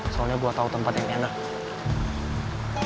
soalnya gue tau tempat yang enak